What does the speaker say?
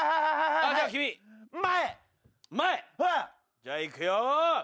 じゃあいくよ。